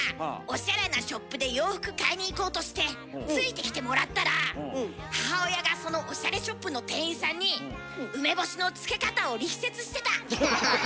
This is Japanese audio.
オシャレなショップで洋服買いに行こうとしてついてきてもらったら母親がそのオシャレショップの店員さんに梅干しの漬け方を力説してた！